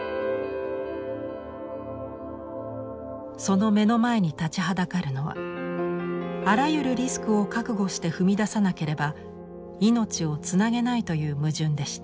その目の前に立ちはだかるのはあらゆるリスクを覚悟して踏み出さなければ命をつなげないという矛盾でした。